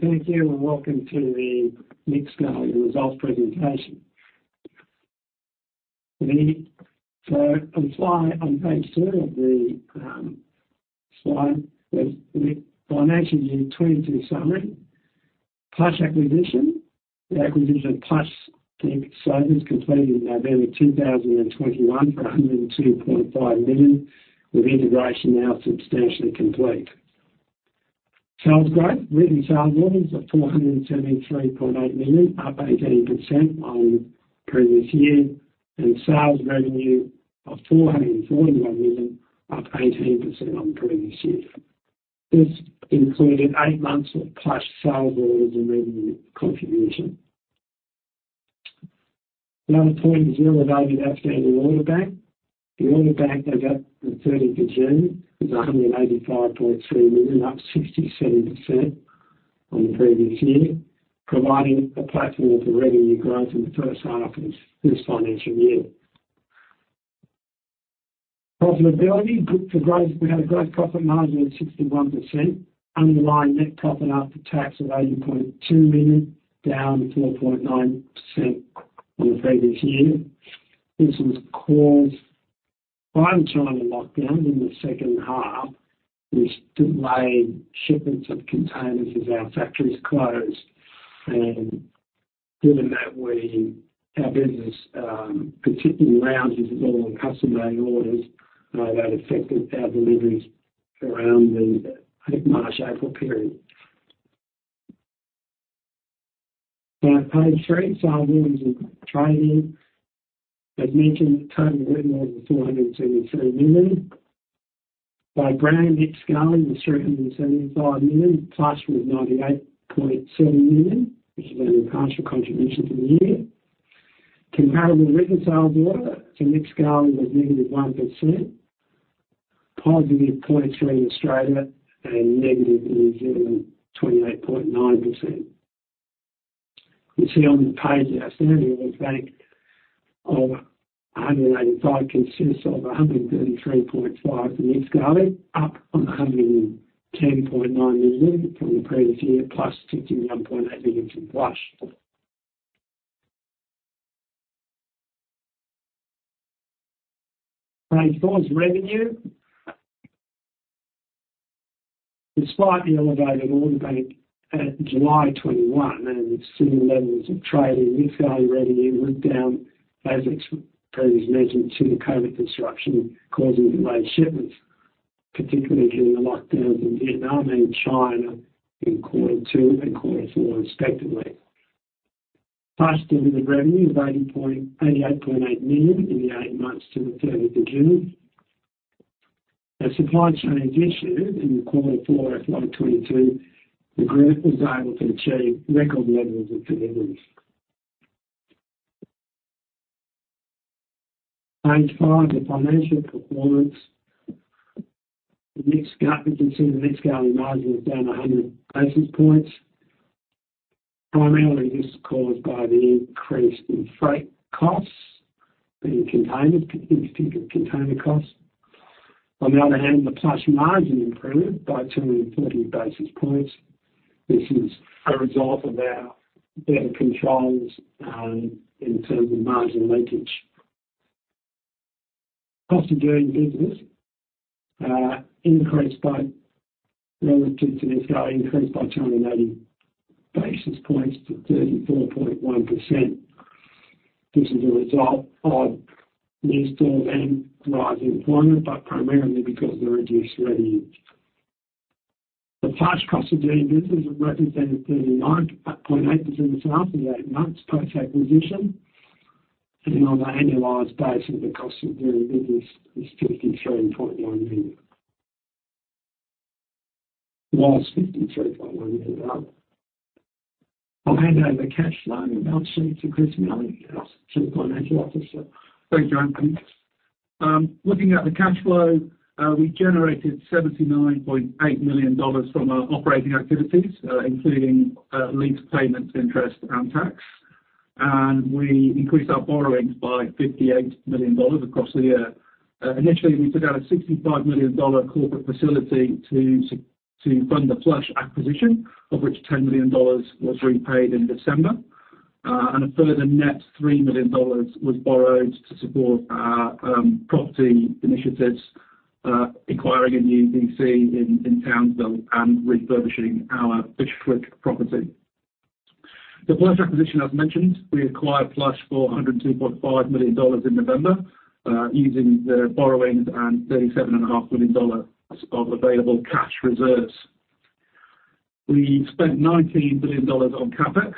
Thank you and welcome to the Nick Scali results presentation. On page two of the slide with the financial year 2022 summary. Plush acquisition. The acquisition of Plush was completed in November 2021 for 102.5 million, with integration now substantially complete. Sales growth. Written sales orders of 473.8 million, up 18% on previous year, and sales revenue of 441 million, up 18% on previous year. This included eight months of Plush sales orders and revenue contribution. Another point is the elevated order bank. The order bank as at the thirtieth of June is 185.3 million, up 67% on the previous year, providing a platform for revenue growth in the first half of this financial year. Profitability. Good for growth. We had a growth profit margin of 61%. Underlying net profit after tax of 80.2 million, down 4.9% on the previous year. This was caused by the China lockdown in the second half, which delayed shipments of containers as our factories closed. Given that our business, particularly lounges, is all on custom-made orders, that affected our deliveries around the March, April period. On page three, sales orders and trading. As mentioned, total written orders of 473 million. By brand, Nick Scali was 375 million. Plush was 98.7 million, which has been a partial contribution for the year. Comparable written sales order to Nick Scali was -1%. +0.2% in Australia and -28.9% in New Zealand. You see on this page our standing order bank of 185 million consists of 133.5 million in Nick Scali, up from 110.9 million from the previous year, plus 51.8 million in Plush. Page four is revenue. Despite the elevated order bank at July 2021 and similar levels of trading, Nick Scali revenue was down, as previously mentioned, due to COVID disruption causing delayed shipments, particularly during the lockdowns in Vietnam and China in quarter two and quarter four respectively. Plush delivered revenue of 88.8 million in the eight months to the 13th of June. As supply chains eased in quarter four of 2021, the group was able to achieve record levels of deliveries. Page five, the financial performance. You can see the Nick Scali margin is down 100 basis points. Primarily, this is caused by the increase in freight costs and containers, in particular, container costs. On the other hand, the Plush margin improved by 230 basis points. This is a result of our better controls in terms of margin leakage. Cost of doing business increased by 280 basis points to 34.1% relative to Nick Scali. This is a result of new store and rise in employment, but primarily because of the reduced revenue. The Plush cost of doing business represented 39.8% of sales for the eight months post-acquisition. On an annualized basis, the cost of doing business is 53.1 million. Well, it's AUD 53.1 million. I'll hand over cash flow and balance sheet to Chris Malley, our Chief Financial Officer. Thank you, Anthony. Looking at the cash flow, we generated 79.8 million dollars from our operating activities, including lease payments, interest, and tax. We increased our borrowings by 58 million dollars across the year. Initially, we took out a 65 million dollar corporate facility to fund the Plush acquisition, of which 10 million dollars was repaid in December. A further net 3 million dollars was borrowed to support our property initiatives, acquiring a new DC in Townsville and refurbishing our Fyshwick property. The Plush acquisition, as mentioned, we acquired Plush for 102.5 million dollars in November, using the borrowings and $37.5 million of available cash reserves. We spent 19 million dollars on CapEx,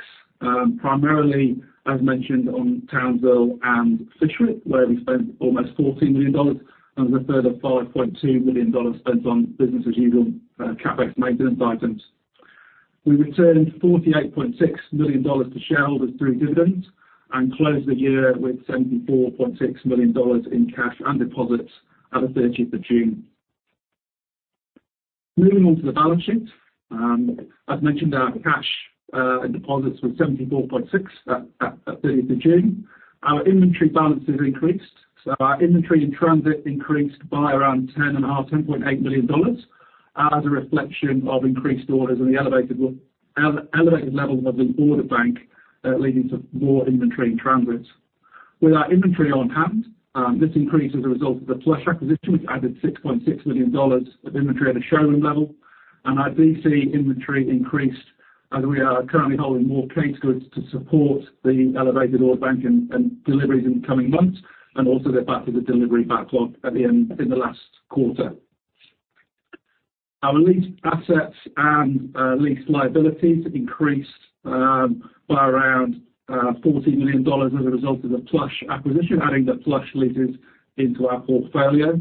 primarily, as mentioned, on Townsville and Fyshwick, where we spent almost 14 million dollars and a further 5.2 million dollars spent on business-as-usual CapEx maintenance items. We returned 48.6 million dollars to shareholders through dividends and closed the year with 74.6 million dollars in cash and deposits at the 30th of June. Moving on to the balance sheet. As mentioned, our cash deposits was 74.6 at the 30th of June. Our inventory balances increased. Our inventory in transit increased by around 10.8 million dollars as a reflection of increased orders and the elevated levels of the order bank, leading to more inventory in transit. With our inventory on hand, this increase as a result of the Plush acquisition, which added 6.6 million dollars of inventory at a showroom level. Our DC inventory increased as we are currently holding more case goods to support the elevated order bank and deliveries in the coming months, and also get back with the delivery backlog in the last quarter. Our leased assets and leased liabilities increased by around 40 million dollars as a result of the Plush acquisition, adding the Plush leases into our portfolio.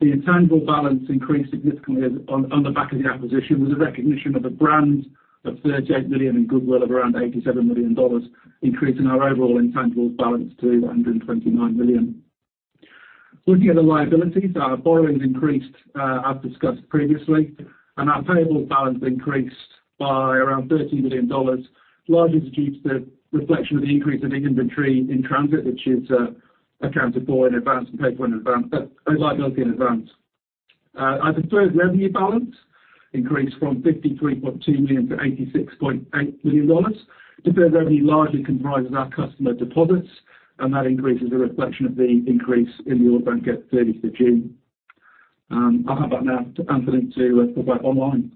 The intangible balance increased significantly on the back of the acquisition with the recognition of the brand of 38 million and goodwill of around 87 million dollars, increasing our overall intangibles balance to 129 million. Looking at the liabilities, our borrowings increased, I've discussed previously, and our payables balance increased by around 13 million dollars, largely due to the reflection of the increase in the inventory in transit, which is accounted for in advance and paid for in advance, but a liability in advance. Our deferred revenue balance increased from AUD 53.2 million-AUD 86.8 million. Deferred revenue largely comprises our customer deposits, and that increase is a reflection of the increase in the order bank at 30th of June. I'll hand back now to Anthony to talk about online.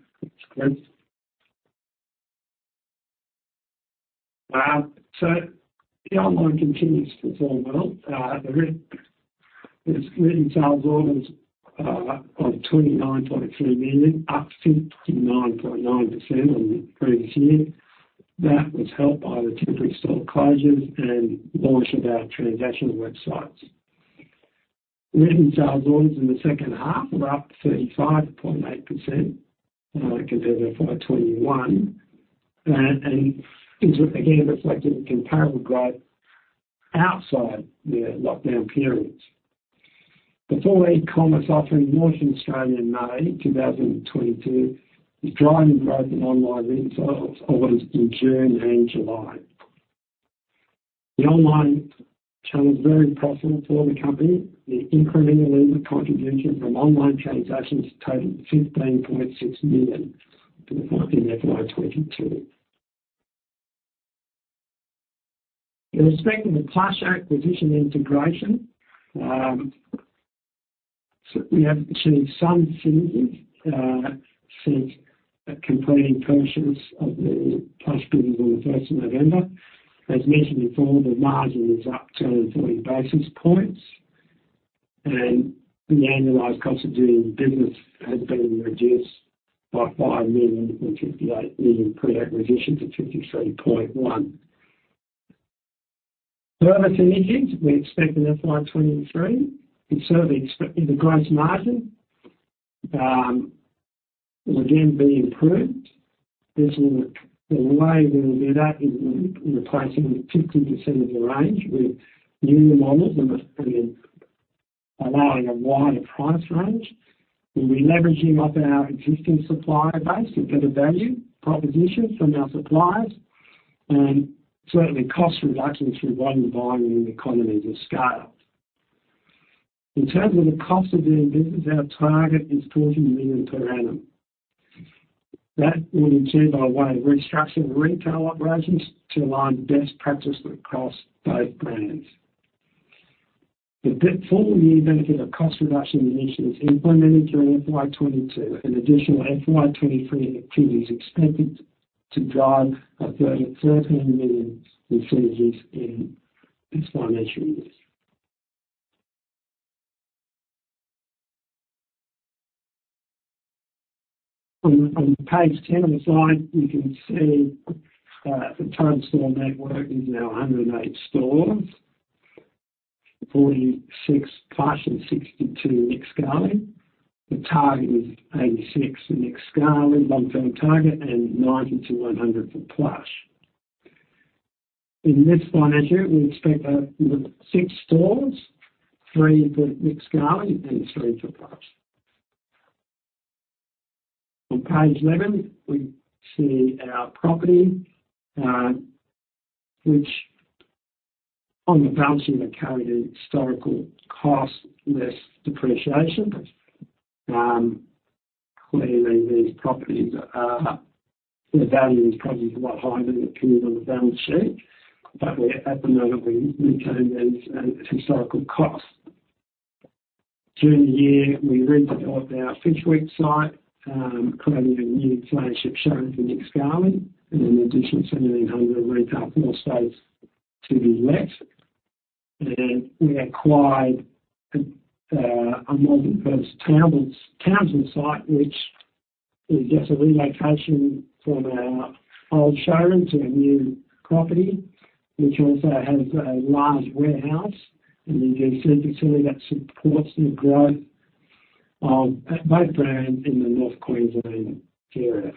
Go ahead. The online continues to perform well. The retail orders are of 29.3 million, up 59.9% on the previous year. That was helped by the temporary store closures and launch of our transactional websites. Retail orders in the second half were up 35.8%, compared to FY 2021, and is again reflecting comparable growth outside the lockdown periods. The full e-commerce offering launched in Australia in May 2022, is driving growth in online retail orders in June and July. The online channel is very profitable for the company. The incremental earnings contribution from online transactions totaled 15.6 million for the FY 2022. In respect to the Plush acquisition integration, we have achieved some synergies, since completing purchase of the Plush business on the 1st of November. As mentioned before, the margin is up 20 basis points, and the annualized cost of doing business has been reduced by 5 million from 58 million pre-acquisition to 53.1 million. Further synergies we expect in FY 2023. Certainly the gross margin will again be improved. There's a way we will do that is replacing 50% of the range with newer models and allowing a wider price range. We'll be leveraging off our existing supplier base for better value propositions from our suppliers, and certainly cost reductions through volume buying and economies of scale. In terms of the cost of doing business, our target is 14 million per annum. That we will achieve by way of restructuring retail operations to align best practice across both brands. The full year benefit of cost reduction initiatives implemented during FY 2022 and additional FY 2023 activities expected to drive up to 13 million in synergies in this financial year. On page 10 of the slide, you can see the total store network is now 108 stores, 46 Plush and 62 Nick Scali. The target is 86 for Nick Scali, long-term target, and 90-100 for Plush. In this financial year, we expect to open six stores, three for Nick Scali and three for Plush. On page 11, we see our property, which on the balance sheet are carried at historical cost less depreciation. Clearly these properties, their value is probably a lot higher than it appears on the balance sheet, but at the moment, we maintain them at historical cost. During the year, we redeveloped our Fyshwick site, creating a new flagship showroom for Nick Scali and an additional 1,700 retail floor space to be let. We acquired a multi-purpose Townsville site, which is just a relocation from our old showroom to a new property, which also has a large warehouse and a DC facility that supports the growth of both brands in the North Queensland areas.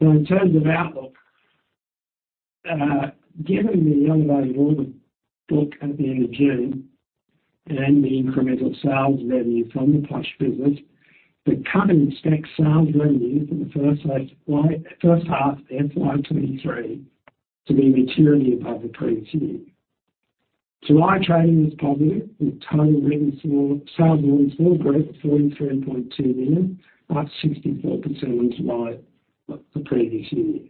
In terms of outlook, given the elevated order book at the end of June and the incremental sales revenue from the Plush business, the company expects sales revenue for the first half FY 2023 to be materially above the previous year. July trading was positive, with sales revenue for the month AUD 43.2 million, up 64% on July the previous year.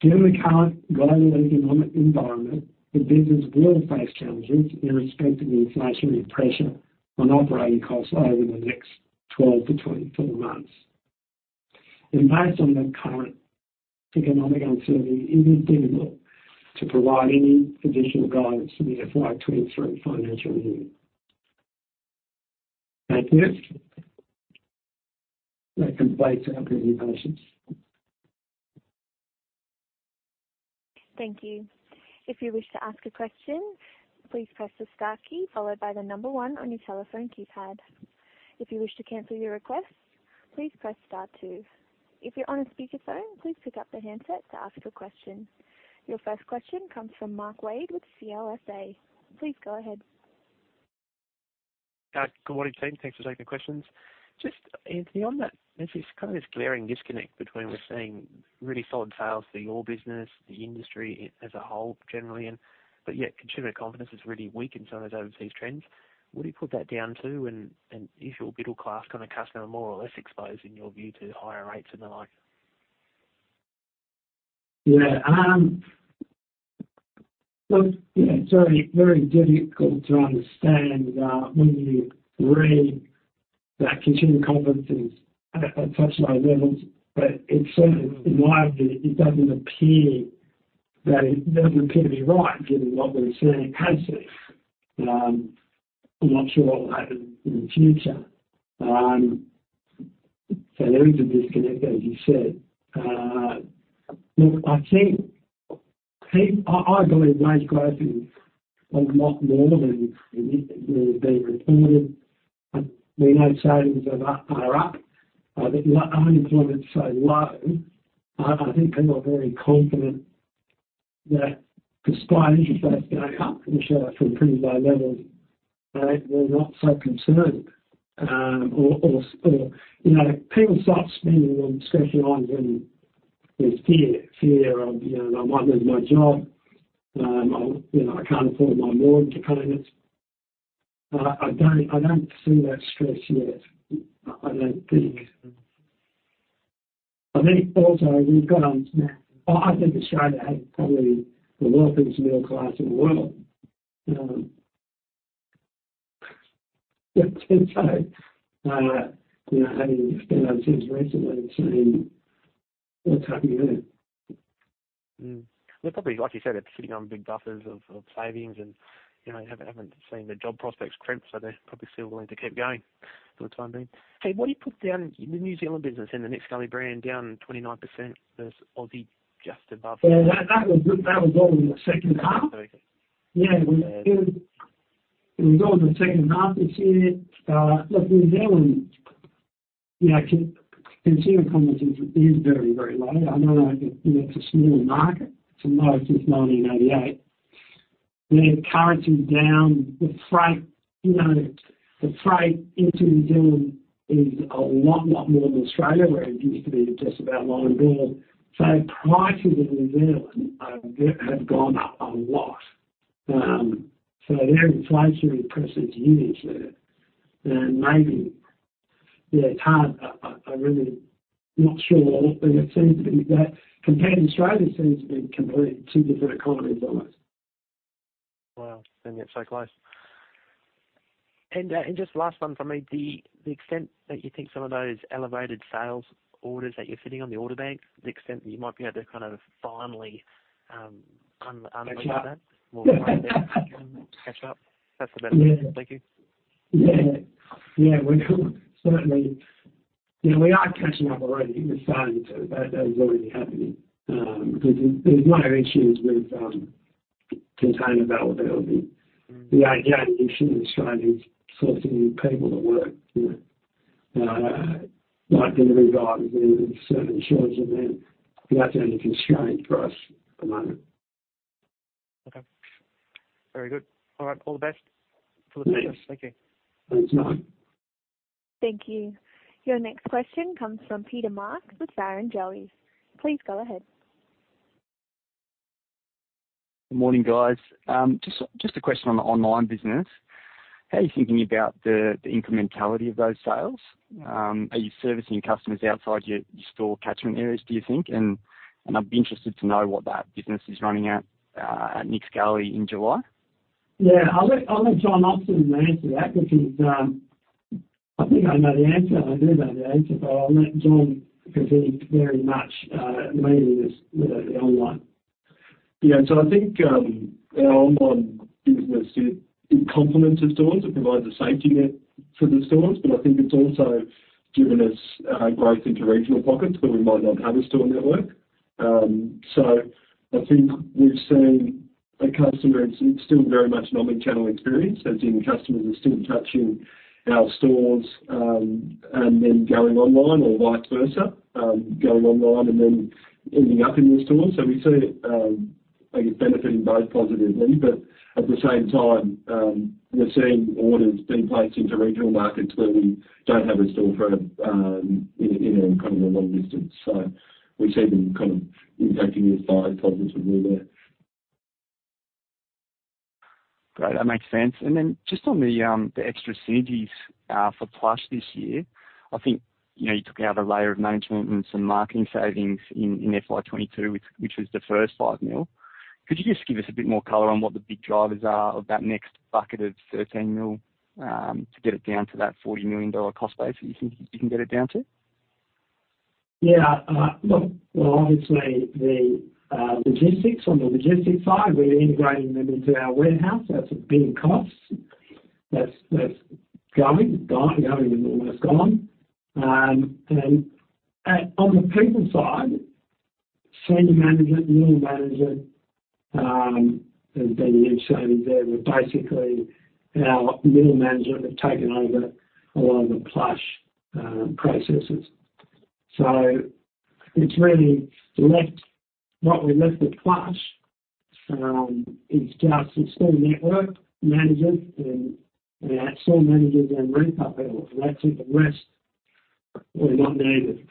Given the current global economic environment, the business will face challenges in respecting the inflationary pressure on operating costs over the next 12-24 months. Based on the current economic uncertainty, it is difficult to provide any additional guidance for the FY 2023 financial year. Thank you. I can take some of your questions. Thank you. If you wish to ask a question, please press the star key followed by the number one on your telephone keypad. If you wish to cancel your request, please press star two. If you're on a speakerphone, please pick up the handset to ask a question. Your first question comes from Mark Wade with CLSA. Please go ahead. Good morning, team. Thanks for taking the questions. Just, Anthony, on that, there's this kind of glaring disconnect between we're seeing really solid sales for your business, the industry as a whole generally, and but yet consumer confidence has really weakened some of those overseas trends. What do you put that down to and is your middle-class kind of customer more or less exposed in your view to higher rates and the like? Yeah, it's very difficult to understand when you read that consumer confidence is at such low levels, but it's certainly, in my view, it doesn't appear to be right, given what we're seeing in sales. I'm not sure what will happen in the future. There is a disconnect, as you said. Look, I believe wage growth is a lot more than reported. We know savings are up. The unemployment is so low. I think people are very confident that despite interest rates going up, which are from pretty low levels, they're not so concerned. You know, people start spending on discretionary items and there's fear of, you know, I might lose my job, you know, I can't afford my mortgage payments. I don't see that stress yet, I don't think. I think also, I think Australia has probably the wealthiest middle class in the world. You know, having been on things recently and seeing what's happening there. They're probably, like you said, they're sitting on big buffers of savings and, you know, haven't seen their job prospects crimp, so they're probably still willing to keep going for the time being. Hey, what do you put down in the New Zealand business, in the Nick Scali brand down 29% versus Aussie just above? Yeah, that was all in the second half. Okay. Yeah. We did in the second half this year. Look, New Zealand, you know, consumer confidence is very low. I know that, you know, it's a smaller market. It's the lowest since 1988. Their currency is down. The freight, you know, into New Zealand is a lot more than Australia, where it used to be just about line haul. So prices in New Zealand have gone up a lot. So their inflationary pressures are huge there. Maybe, you know, it's hard. I really am not sure what, but it seems to be that compared to Australia, it seems to be completely two different economies almost. Wow. Yet so close. Just last one from me. The extent that you think some of those elevated sales orders that you're sitting on the order bank, the extent that you might be able to kind of finally unbundle that catch up. That's about it. Thank you. Yeah. Yeah, we certainly. You know, we are catching up already. We're starting to. That is already happening because there's no issues with container availability. Mm. The only issue is trying to source the new people to work, you know. Like delivery drivers and certain shops and that. That's only a constraint for us at the moment. Okay. Very good. All the best for the success. Thank you. Thanks, Mark. Thank you. Your next question comes from Peter Marks with Barrenjoey. Please go ahead. Good morning, guys. Just a question on the online business. How are you thinking about the incrementality of those sales? Are you servicing your customers outside your store catchment areas, do you think? I'd be interested to know what that business is running at Nick Scali in July. Yeah. I'll let John Robson answer that because I think I know the answer. I do know the answer, but I'll let John because he's very much leading us with the online. I think our online business is a complement to stores. It provides a safety net for the stores, but I think it's also given us growth into regional pockets where we might not have a store network. I think we've seen The customer is still very much an omnichannel experience, as in customers are still touching our stores, and then going online or vice versa, going online and then ending up in the store. We see it benefiting both positively, but at the same time, we're seeing orders being placed into regional markets where we don't have a store for in a kind of long distance. We see them kind of impacting the size positively there. Great, that makes sense. Then just on the extra synergies for Plush this year, I think, you know, you took out a layer of management and some marketing savings in FY 2022, which was the first 5 million. Could you just give us a bit more color on what the big drivers are of that next bucket of 13 million to get it down to that 40 million dollar cost base that you think you can get it down to? Yeah. Look, well, obviously the logistics on the logistics side, we're integrating them into our warehouse. That's a big cost that's going, gone, and almost gone. On the people side, senior management, middle management, as Danny has shown you there, we're basically our middle management have taken over a lot of the Plush processes. It's really what we left with Plush is just the store network managers and store managers and ramp-up people. That's it. The rest were not needed.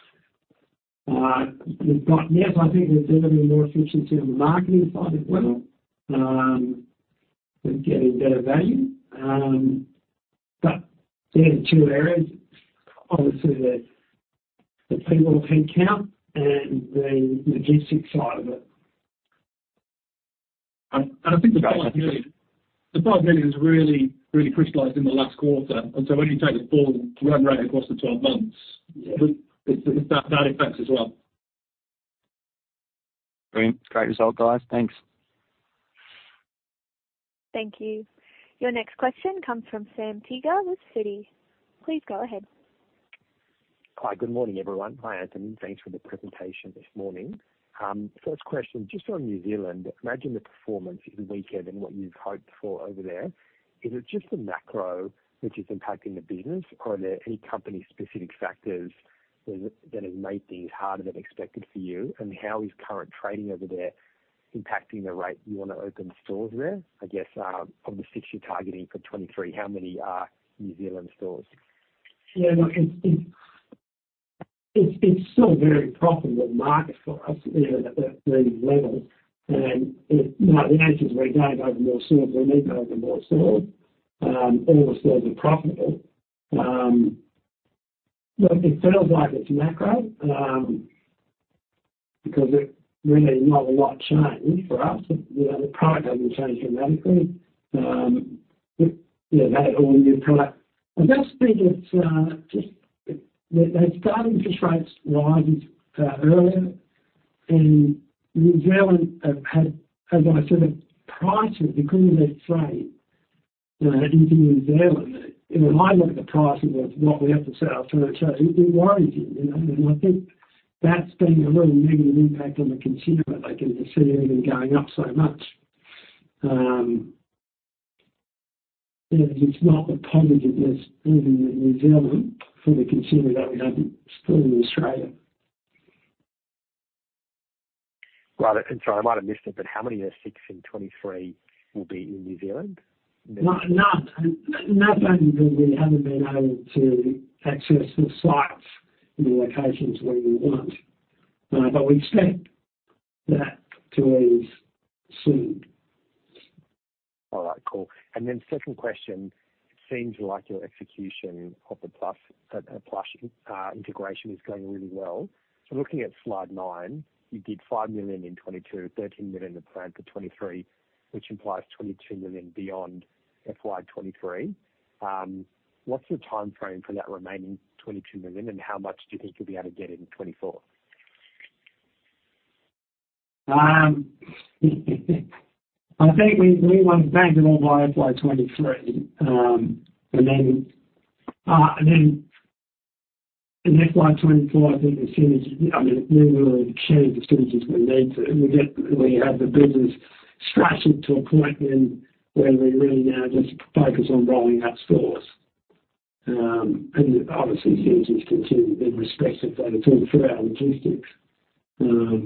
Yes, I think there's definitely more efficiency on the marketing side as well. We're getting better value. Yeah, the two areas, obviously the people headcount and the logistics side of it. I think the 5 million is really crystallized in the last quarter. When you take a full run rate across the 12 months- Yeah. That affects as well. Brilliant. It's a great result, guys. Thanks. Thank you. Your next question comes from Sam Teeger with Citi. Please go ahead. Hi. Good morning, everyone. Hi, Anthony. Thanks for the presentation this morning. First question, just on New Zealand, I imagine the performance is weaker than what you've hoped for over there. Is it just the macro which is impacting the business or are there any company specific factors that have made things harder than expected for you? How is current trading over there impacting the rate you wanna open stores there? I guess, of the six you're targeting for 2023, how many are New Zealand stores? Yeah, look, it's still a very profitable market for us, you know, at the levels. The answer is we don't open more stores. We need to open more stores. Look, it feels like it's macro because there's really not a lot changed for us. You know, the product hasn't changed dramatically. Yeah, that or new product. I just think it's just the interest rate rises starting earlier. New Zealand have had, as I said, high prices because of their trade into New Zealand. When I look at the prices of what we have to sell to our trade, it worries me, you know. I think that's been a real negative impact on the consumer, like, and to see everything going up so much. you know, there's not the confidence even in New Zealand for the consumer that we have still in Australia. Right. Sorry, I might have missed it, but how many of the six in 2023 will be in New Zealand? None mainly because we haven't been able to access the sites and the locations where we want. We expect that to ease soon. All right, cool. Second question, it seems like your execution of the Plush integration is going really well. Looking at slide nine, you did 5 million in 2022, 13 million planned for 2023, which implies 22 million beyond FY 2023. What's your timeframe for that remaining 22 million, and how much do you think you'll be able to get in 2024? I think we want to bank it all by FY 2023. Then in FY 2024, I think the synergies, I mean, we will achieve the synergies we need to. We have the business structured to a point then where we really now just focus on rolling out stores. Obviously synergies continue in respect of data through our logistics. Look,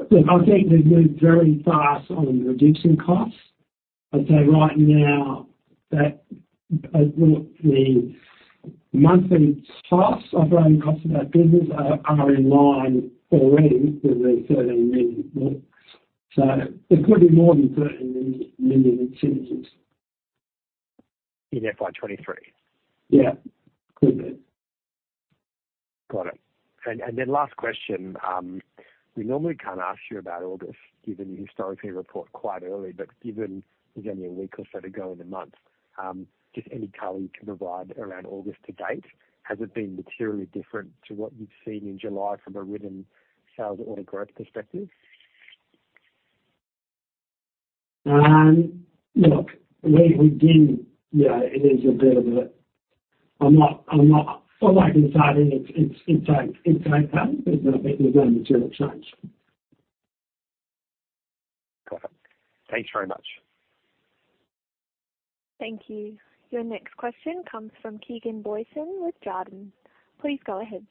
I think we've moved very fast on reducing costs. I'd say right now that, look, the monthly costs, operating costs of that business are in line already with the 13 million. There could be more than 13 million in synergies. In FY 2023? Yeah, could be. Got it. Last question. We normally can't ask you about August given you historically report quite early, but given there's only a week or so to go in the month, just any color you can provide around August to date. Has it been materially different to what you've seen in July from a written sales order growth perspective? Look, we did, you know. I'm not, all I can say is it's okay. There's gonna be no material change. Perfect. Thanks very much. Thank you. Your next question comes from Keegan Booysen with Jarden. Please go ahead.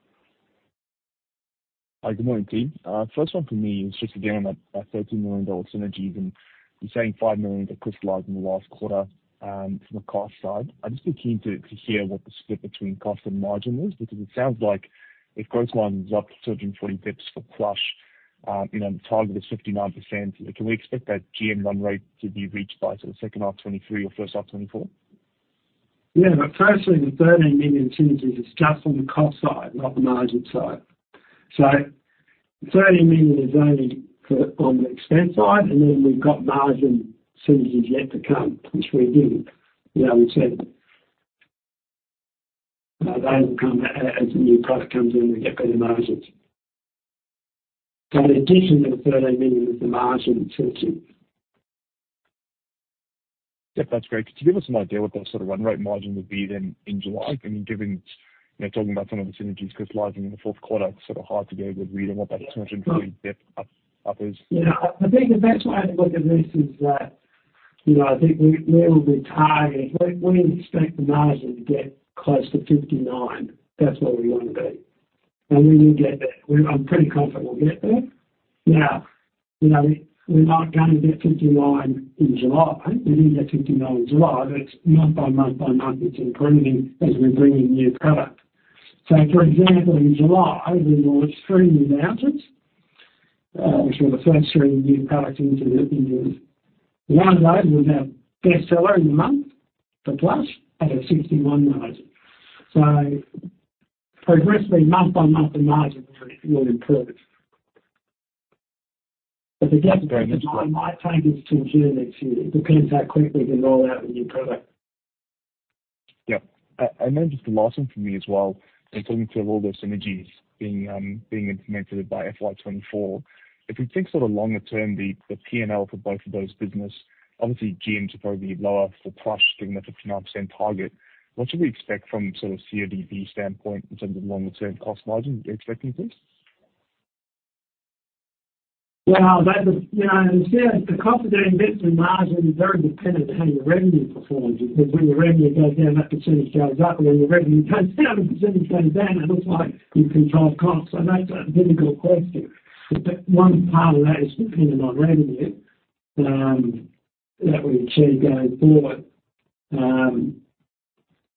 Hi, good morning, team. First one for me is just again on that 13 million dollar synergies, and you're saying 5 million that crystallized in the last quarter from a cost side. I'd just be keen to hear what the split between cost and margin is because it sounds like if gross margin is up to 1340 basis points for Plush, you know, the target is 59%. Can we expect that GM run rate to be reached by sort of second quarter of 2023 or first quarter of 2024? Yeah, firstly, the 13 million synergies is just on the cost side, not the margin side. The 13 million is only for on the expense side, and then we've got margin synergies yet to come, which we didn't. You know, we said. They'll come as the new product comes in, we get better margins. In addition to the AUD 13 million is the margin synergies. Yep, that's great. Could you give us an idea what that sort of run rate margin would be then in July? I mean, given, you know, talking about some of the synergies crystallizing in the fourth quarter, it's sort of hard to get a good read on what that margin upside is. Yeah. I think the best way to look at this is that, you know, I think we expect the margin to get close to 59%. That's where we wanna be. We will get there. I'm pretty confident we'll get there. Now, you know, we're not gonna get 59% in July. We need to get 59% in July, but it's month-by-month, it's improving as we bring in new product. For example, in July, we will have three new lounges, which are the first three new products into the lineup with our bestseller in the month for Plush at a 61% margin. Progressively month-on-month the margin will improve. Again, it might take us till June next year. It depends how quickly we can roll out the new product. Yep. Then just the last one from me as well, in terms of all those synergies being implemented by FY 2024, if we think sort of longer term the PNL for both of those business, obviously GM to probably be lower for Plush given the 59% target. What should we expect from sort of CODB standpoint in terms of longer term cost margin you are expecting for this? Well, that was, you know, the cost of doing business and margin is very dependent on how your revenue performs, because when your revenue goes down, that percentage goes up, and when your revenue goes down, the percentage goes down. It looks like you've controlled costs. That's a difficult question. One part of that is dependent on revenue that we achieve going forward.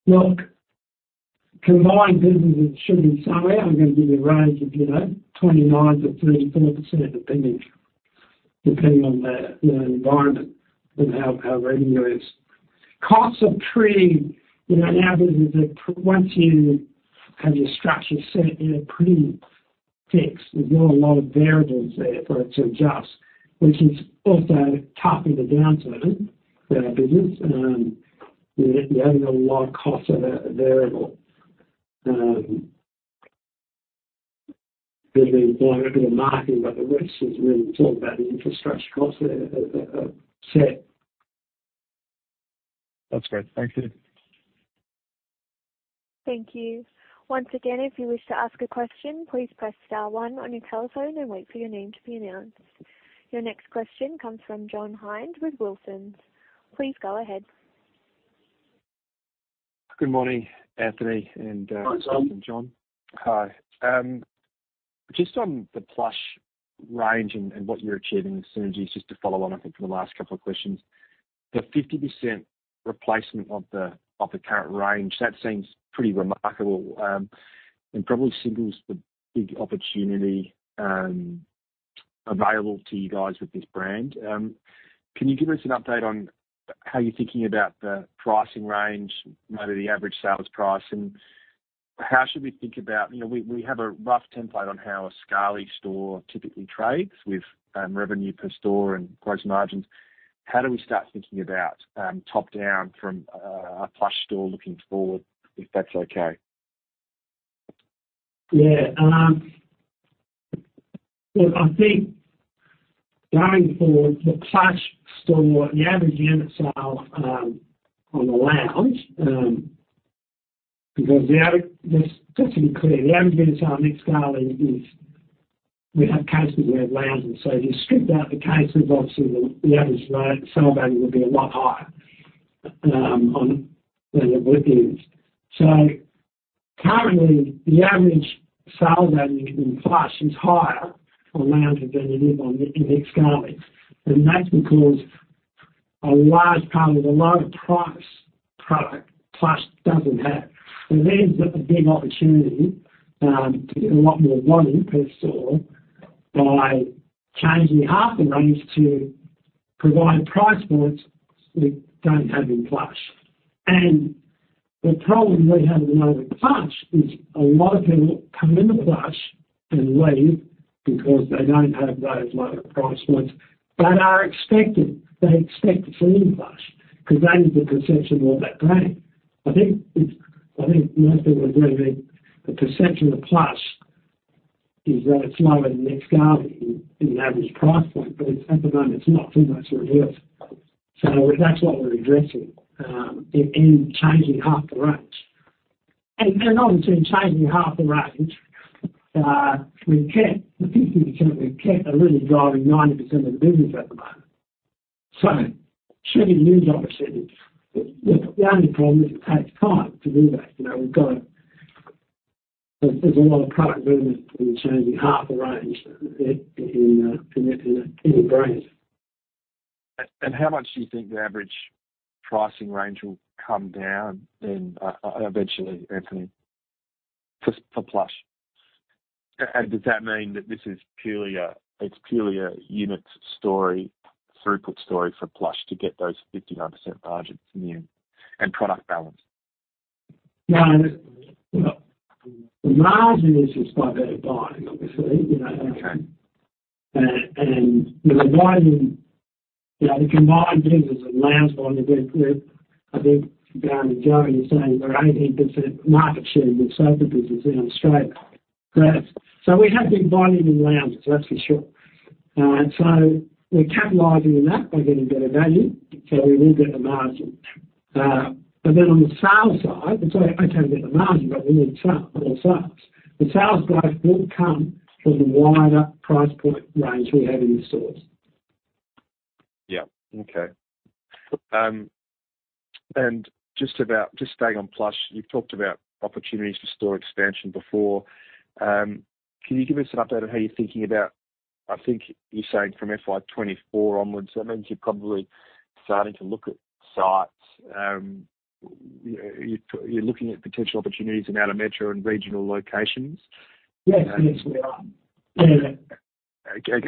Look, combined businesses should be somewhere. I'm gonna give you a range of, you know, 29%-34%, depending on the environment and how revenue is. Costs are pretty, you know, now that once you have your structure set, you're pretty fixed. There's not a lot of variables there for it to adjust, which is also partly the downside of that business. You haven't got a lot of costs that are variable. There's the marketing, but the rest as we talk about infrastructure costs are set. That's great. Thank you. Thank you. Once again, if you wish to ask a question, please press star one on your telephone and wait for your name to be announced. Your next question comes from John Hynd with Wilsons. Please go ahead. Good morning, Anthony. Hi, John. Hi. Just on the Plush range and what you're achieving with synergies, just to follow on, I think from the last couple of questions. The 50% replacement of the current range, that seems pretty remarkable, and probably signals the big opportunity available to you guys with this brand. Can you give us an update on how you're thinking about the pricing range, maybe the average sales price, and how should we think about, you know, we have a rough template on how a Scali store typically trades with revenue per store and gross margins. How do we start thinking about top-down from a Plush store looking forward, if that's okay? Yeah. Look, I think going forward with Plush store, the average unit sale on the lounge, because just to be clear, the average unit sale at Nick Scali is we have cases, we have lounges. If you stripped out the cases obviously the average sale value would be a lot higher, you know, with the units. Currently, the average sale value in Plush is higher on lounge than it is in Nick Scali. That's because a large part of the lower price product Plush doesn't have. There's a big opportunity to get a lot more volume per store by changing half the range to provide price points we don't have in Plush. The problem we have at the moment with Plush is a lot of people come into Plush and leave because they don't have those lower price points, but they expect it from Plush because that is the perception of that brand. I think most people agree with me, the perception of Plush is that it's lower than Nick Scali in average price point, but at the moment it's not too much of a difference. That's what we're addressing in changing half the range. Obviously in changing half the range, we've kept the 50%. We've kept what is driving 90% of the business at the moment. Should give you the opportunity. The only problem is it takes time to do that. You know, we've got a There's a lot of product movement in changing half the range in a brand. How much do you think the average pricing range will come down then eventually, Anthony, for Plush? Does that mean that this is purely a, it's purely a unit story, throughput story for Plush to get those 59% margins again and product balance? No. You know, the margin is just by better buying, obviously, you know. Okay. You know, buying, you know, the combined business of Plush with, I think, Ben Gilbert is saying we're 18% market share with sofa business in Australia. So we have been buying in lounges, that's for sure. So we're capitalizing on that by getting better value, so we will get the margin. But then on the sales side, it's like, okay, we get the margin, but we need more sales. The sales growth will come from the wider price point range we have in the stores. Yeah. Okay. Just staying on Plush, you've talked about opportunities for store expansion before. Can you give us an update on how you're thinking about. I think you're saying from FY24 onwards, that means you're probably starting to look at sites. You know, you're looking at potential opportunities in out-of-metro and regional locations. Yes. Yes, we are. Okay.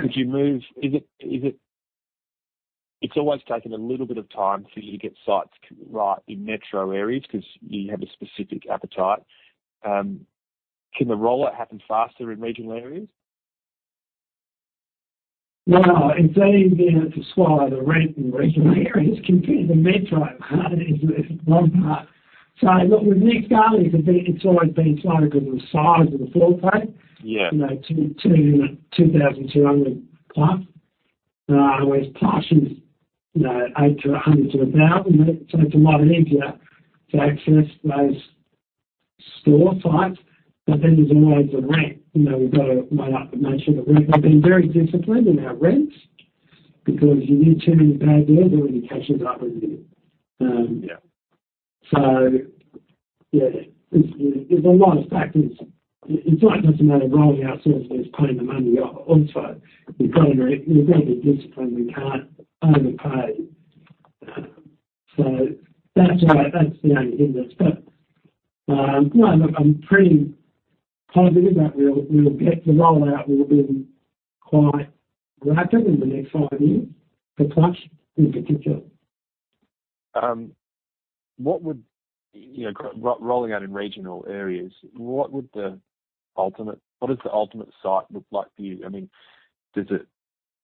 It's always taken a little bit of time for you to get sites right in metro areas 'cause you have a specific appetite. Can the rollout happen faster in regional areas? Well, it's easier to secure the rent in regional areas compared to metro. It's one part. Look, with Nick Scali, it's always been slower because of the size of the floor plate. Yeah. You know, 2,200 plus, whereas Plush is, you know, 800-1,000. It's a lot easier to access those store sites. There's always the rent, you know, we've got to make sure the rent. We've been very disciplined in our rents because if you do too many bad deals, it really catches up with you. Yeah. Yeah, there's a lot of factors. It's not just a matter of rolling out stores, but it's paying the money off also. We've got to be disciplined. We can't overpay. That's the only hindrance. No, look, I'm pretty positive that we'll get the rollout will be quite rapid in the next five years for Plush in particular. What would you know, rolling out in regional areas? What does the ultimate site look like for you? I mean, is it?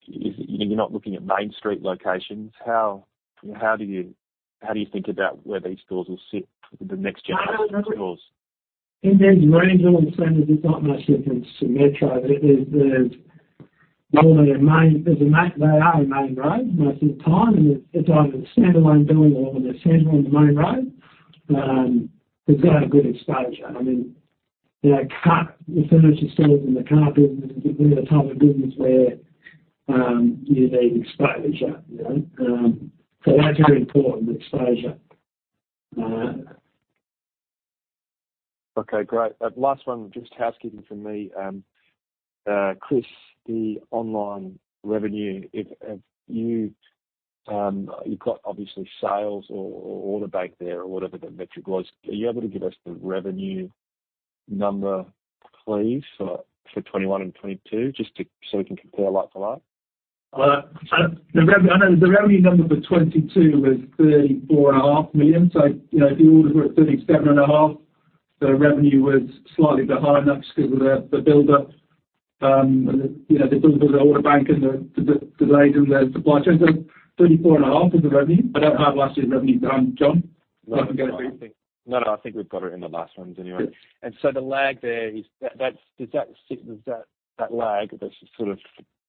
You're not looking at main street locations. How do you think about where these stores will sit, the next generation of stores? In these regional centers, there's not much difference to metro. Normally, there's a main road most of the time, and it's either a standalone building or they're central on the main road. It's got a good exposure. I mean, you know, the furniture stores and our business, we're the type of business where you need exposure, you know. That's very important, the exposure. Okay, great. Last one, just housekeeping from me. Chris, the online revenue, if you've got obviously sales or order bank there or whatever the metric was. Are you able to give us the revenue number, please, for 2021 and 2022, just so we can compare like to like? Well, I know the revenue number for 2022 was 34.5 million. You know, the orders were at 37.5 million. The revenue was slightly behind, and that's just because of the buildup. You know, the build of the order bank and the delays in the supply chain. 34.5 million was the revenue. I don't have last year's revenue. John, do you want to go through? No, no. I think we've got it in the last ones anyway. Good. The lag there is sort of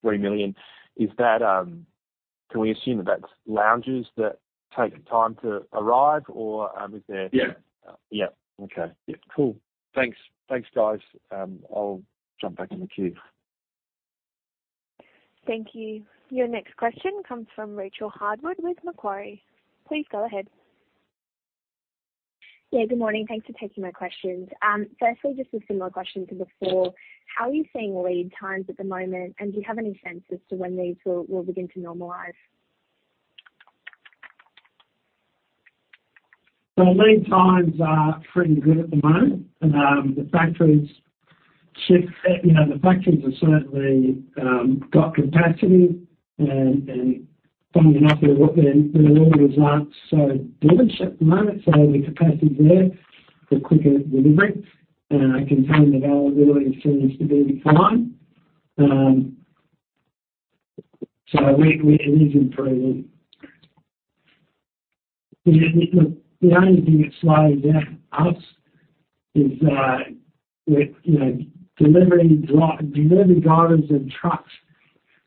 3 million. Can we assume that that's lounges that take time to arrive or is there? Yeah. Yeah. Okay. Yeah. Cool. Thanks. Thanks, guys. I'll jump back in the queue. Thank you. Your next question comes from Rachael Harwood with Macquarie. Please go ahead. Yeah, good morning. Thanks for taking my questions. Firstly, just a similar question to before. How are you seeing lead times at the moment, and do you have any sense as to when these will begin to normalize? Lead times are pretty good at the moment. The factories ship, the factories have certainly got capacity and funny enough, their orders aren't so busy at the moment, so there's capacity there for quicker delivery. Container availability seems to be fine. It is improving. The only thing that slows down us is, we're delivering drivers and trucks.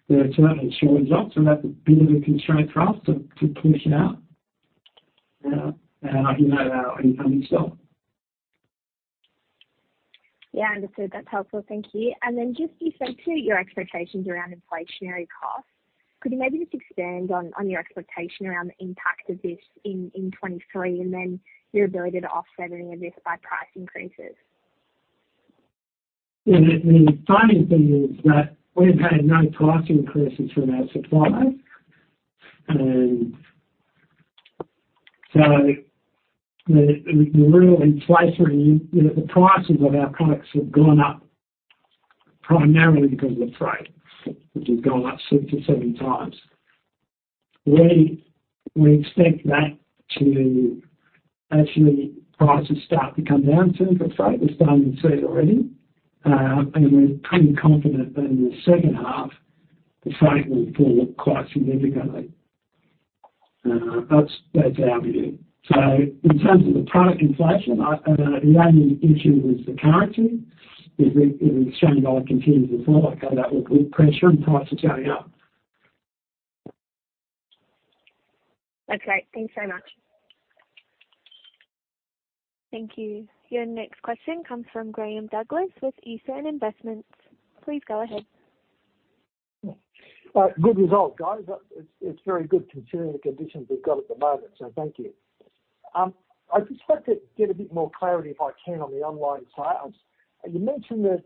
There are certain insurance hiccups, and that's a bit of a constraint for us to push it out. You know that already from yourself. Yeah. Understood. That's helpful. Thank you. Just you spoke to your expectations around inflationary costs. Could you maybe just expand on your expectation around the impact of this in 2023 and then your ability to offset any of this by price increases? Yeah. The funny thing is that we've had no price increases from our suppliers. The real inflation in the prices of our products have gone up primarily because of the freight, which has gone up six or seven times. We expect that prices start to come down soon for freight. We're starting to see it already. We're pretty confident that in the second half, the freight will fall quite significantly. That's our view. In terms of the product inflation, I know the only issue with the currency is if the Aussie continues to fall, okay, that will put pressure on prices going up. That's great. Thanks so much. Thank you. Your next question comes from Graham Douglas with Esan Investments. Please go ahead. Good result, guys. It's very good considering the conditions we've got at the moment, so thank you. I'd just like to get a bit more clarity, if I can, on the online sales. You mentioned that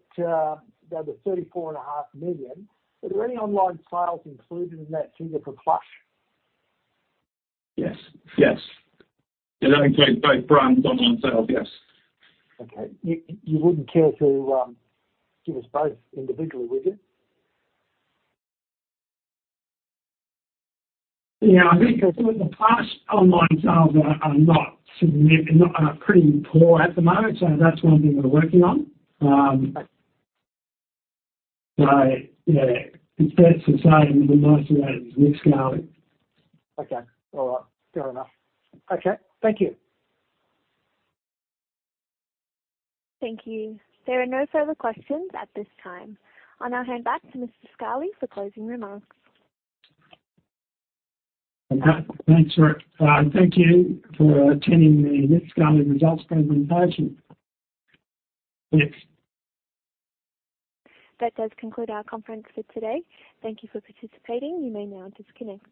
they were 34.5 million. Are there any online sales included in that figure for Plush? Yes. It includes both brands' online sales, yes. Okay. You wouldn't care to give us both individually, would you? I think the Plush online sales are pretty poor at the moment, so that's one thing we're working on. It's fair to say the Nick Scali way is Nick Scali. Okay. All right. Fair enough. Okay. Thank you. Thank you. There are no further questions at this time. I'll now hand back to Mr. Scali for closing remarks. Okay. Thanks for it. Thank you for attending the Nick Scali results presentation. Thanks. That does conclude our conference for today. Thank you for participating. You may now disconnect.